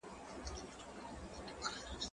هغه څوک چي ليکلي پاڼي ترتيبوي منظم وي!.